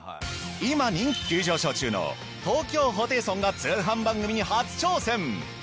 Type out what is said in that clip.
今人気急上昇中の東京ホテイソンが通販番組に初挑戦！